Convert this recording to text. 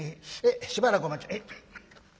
しばらくお待ち。